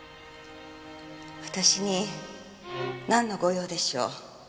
私になんのご用でしょう？